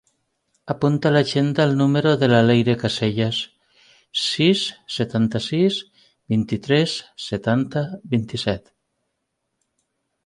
Apunta a l'agenda el número de la Leyre Caselles: sis, setanta-sis, vint-i-tres, setanta, vint-i-set.